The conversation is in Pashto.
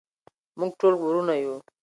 موږ ټول ورونه یو.